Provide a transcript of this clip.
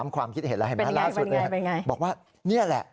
ความคิดเห็นแล้วเห็นไหมล่าสุดเลยบอกว่านี่แหละ